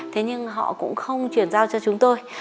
thế nhưng họ cũng không chuyển giao cho chúng tôi